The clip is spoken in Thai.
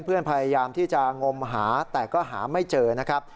พยายามที่จะงมหาแต่ก็หาไม่เจอนะครับ